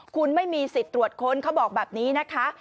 คุณไม่มีสิทธิ์ตรวจค้นเขาบอกแบบนี้นะคะ